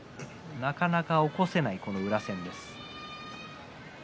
なかなか起こせない宇良戦です。